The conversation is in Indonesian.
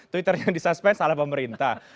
twitter yang di suspense salah pemerintah